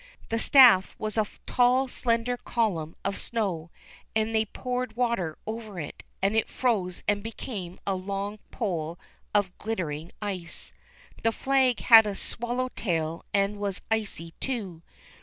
The staff was a tall slender column of snow, and they poured water over it, and it froze and became a long pole of glittering ice. The flag had a swallow tail and was icy too.